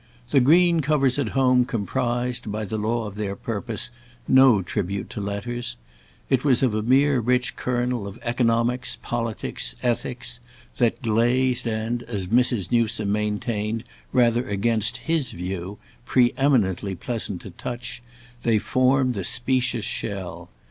The green covers at home comprised, by the law of their purpose, no tribute to letters; it was of a mere rich kernel of economics, politics, ethics that, glazed and, as Mrs. Newsome maintained rather against his view, pre eminently pleasant to touch, they formed the specious shell.